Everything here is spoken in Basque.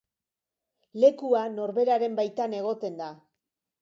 Lekua norberaren baitan egoten da.